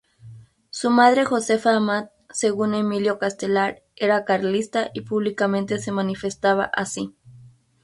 Su madre Josefa Amat, según Emilio Castelar, era carlista y públicamente se manifestaba así.